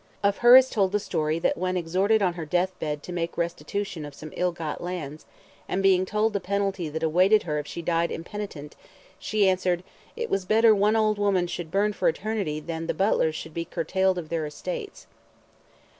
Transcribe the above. Of her is told the story that when exhorted on her death bed to make restitution of some ill got lands, and being told the penalty that awaited her if she died impenitent, she answered, "it was better one old woman should burn for eternity than that the Butlers should be curtailed of their estates."